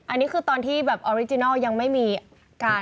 อันนี้คือตอนที่แบบออริจินัลยังไม่มีอาการ